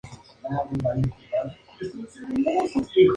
Posee el mismo nombre que el cercano Promontorio Chacabuco.